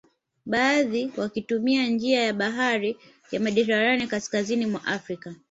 Baadhi wakitumia njia ya bahari ya Mediterania kaskazini mwa Afrika